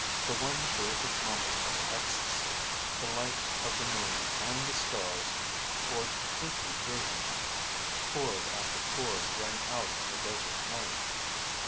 For one terrific moment of ecstasy the light of the moon and the stars poured completely through him. Chord after chord rang out in the desert night.